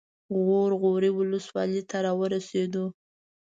غور غوري ولسوالۍ ته راورسېدو.